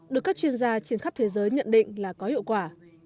được các chuyên gia trên khắp thế giới nhận định là có hiệu quả